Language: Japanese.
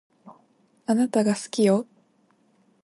あなたが好きよ